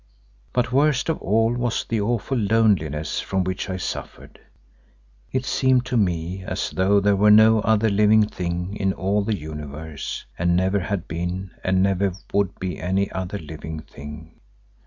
But worst of all was the awful loneliness from which I suffered. It seemed to me as though there were no other living thing in all the Universe and never had been and never would be any other living thing.